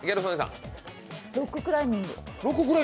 ロッククライミング。